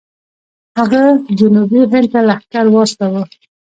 هغه جنوبي هند ته لښکر واستوه.